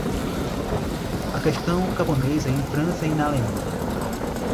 A Questão Camponesa em França e na Alemanha